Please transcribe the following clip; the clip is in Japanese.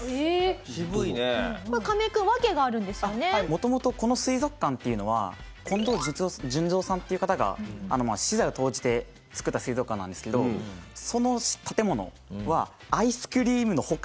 もともとこの水族館というのは近藤潤三さんという方が私財を投じて造った水族館なんですけどその建物はアイスクリームの保管